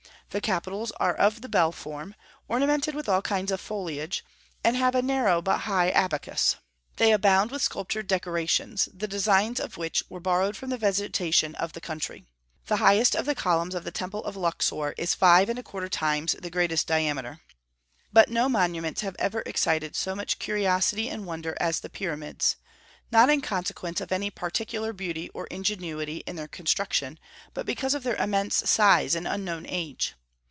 The capitals are of the bell form, ornamented with all kinds of foliage, and have a narrow but high abacus. They abound with sculptured decorations, the designs of which were borrowed from the vegetation of the country. The highest of the columns of the temple of Luxor is five and a quarter times the greatest diameter. But no monuments have ever excited so much curiosity and wonder as the Pyramids, not in consequence of any particular beauty or ingenuity in their construction, but because of their immense size and unknown age.